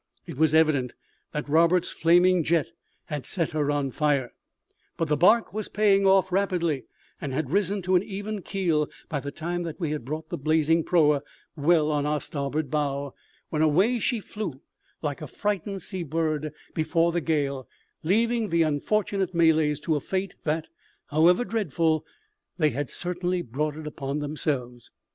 It was evident that Roberts's flaming jet had set her on fire. But the barque was paying off rapidly, and had risen to an even keel by the time that we had brought the blazing proa well on our starboard bow, when away she flew like a frightened seabird before the gale, leaving the unfortunate Malays to a fate that, however dreadful, they had certainly brought upon themselves.